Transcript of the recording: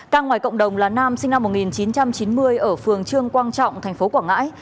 ca ngoài cộng đồng là nam sinh năm một nghìn chín trăm chín mươi ở phường trương quang trọng thành phố quảng ngãi